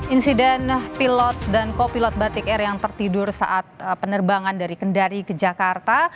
insiden pilot dan kopilot batik air yang tertidur saat penerbangan dari kendari ke jakarta